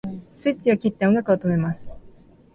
スイッチを切って音楽を止めます